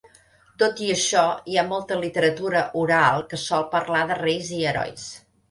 Tot i això, hi ha molta literatura oral que sol parlar de reis i herois.